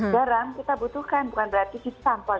garam kita butuhkan bukan berarti si sampah